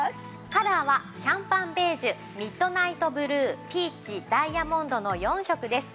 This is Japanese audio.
カラーはシャンパンベージュミッドナイトブルーピーチダイヤモンドの４色です。